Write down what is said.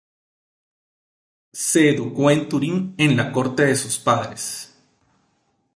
Se educó en Turín en la corte de sus padres.